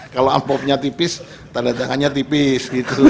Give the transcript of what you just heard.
kalau amplopnya tipis tandatangannya tipis